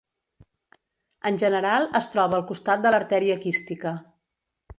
En general, es troba al costat de l'artèria quística.